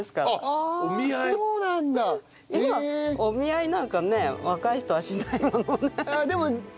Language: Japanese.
今お見合いなんかね若い人はしないもんね。